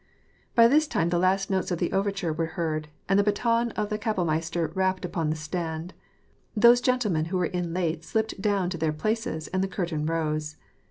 By this time the last notes of the overture were heard, and the baton of the kapellmeister rapped upon the stand. Those gentlemen who were in late slipped down to their places, and the curtain rose.